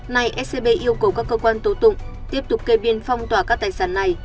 nay scb yêu cầu các cơ quan tố tụng tiếp tục cây biên phong tỏa các tài sản này